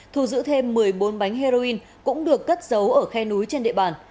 thu giữ thêm một mươi bốn bánh heroin cũng được cất giấu ở khe núi trên địa bàn